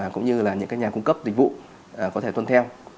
cũng như là những nhà cung cấp dịch vụ có thể tuân theo